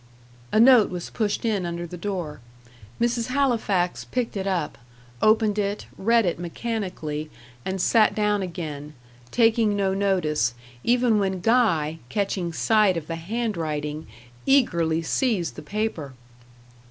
A note was pushed in under the door. Mrs. Halifax picked it up opened it, read it mechanically, and sat down again; taking no notice, even when Guy, catching sight of the hand writing, eagerly seized the paper.